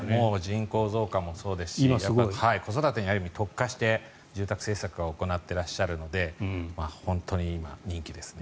人口増加もそうですし子育てに特化して住宅政策を行っていらっしゃるので本当に今、人気ですね。